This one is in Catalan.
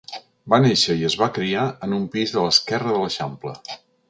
Va néixer i es va criar en un pis de l'Esquerra de l'Eixample.